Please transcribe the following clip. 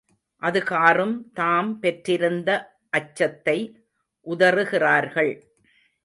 அதுகாறும் தாம் பெற்றிருந்த அச்சத்தை உதறுகிறார்கள்.